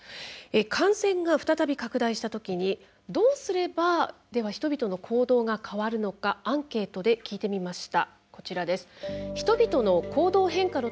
感染が再び拡大したときにどうすれば、人々の行動が変わるのかアンケートで聞いてみました。